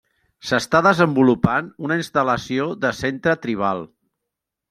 S'està desenvolupant una instal·lació de centre tribal.